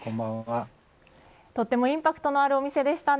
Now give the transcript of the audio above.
とてもインパクトのあるお店でしたね。